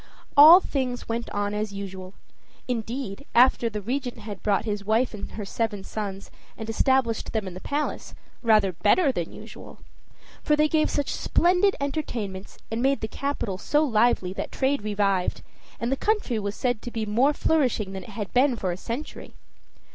All things went on as usual; indeed, after the Regent had brought his wife and her seven sons, and established them in the palace, rather better than usual. For they gave such splendid entertainments and made the capital so lively that trade revived, and the country was said to be more flourishing than it had been for a century.